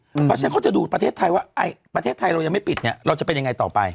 เพราะฉะนั้นเขาจะดูประเทศไทยว่าประเทศไทยเรายังไม่ปิดเนี่ยเราจะเป็นยังไงต่อไป